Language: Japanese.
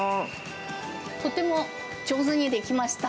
とても上手に出来ました。